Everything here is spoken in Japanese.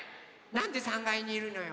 なんで３がいにいるのよ。